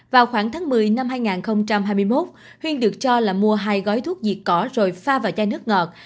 vào khoảng tháng một mươi năm hai nghìn hai mươi một huyên được cho là mua hai gói thuốc diệt cỏ rồi pha vào chai nước ngọt